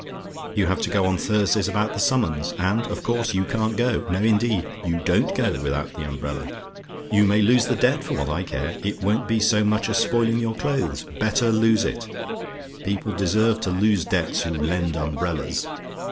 "You have to go on Thursday about that summons and, of course, you can't go. No, indeed, you DON'T go without the umbrella. You may lose the debt for what I care it won't be so much as spoiling your clothes better lose it: people deserve to lose debts who lend umbrellas!